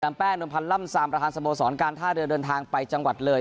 แกนัมแป้งดนทรัมสามประธานสโมศรการท่าเรือเดินทางไปจังหวัดเลย